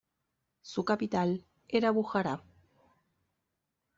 Su capital era Bujará.